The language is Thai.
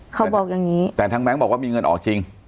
เขาบอกอย่างนี้แต่ทางแบงค์บอกว่ามีเงินออกจริง